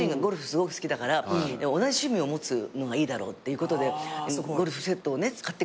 すごく好きだから同じ趣味を持つのがいいだろうっていうことでゴルフセットを買ってくれたんですよ。